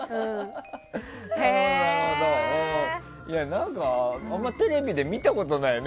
何か、あんまりテレビで見たことないよね。